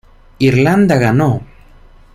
Irlanda ganó.